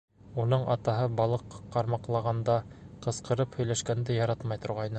Уның атаһы, балыҡ ҡармаҡлағанда, ҡысҡырып һөйләшкәнде яратмай торғайны.